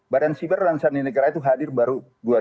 badan siber dan sandi negara itu hadir baru dua ribu